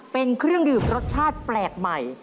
เป็นเครื่องดื่มรสชาติแปลกใหม่